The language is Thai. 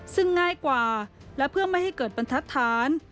ซึ่งง่ายกว่าและเพื่อไม่ให้เกิดบรรทัศน์